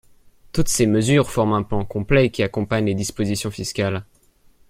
Toutes ces mesures forment un plan complet qui accompagne les dispositions fiscales.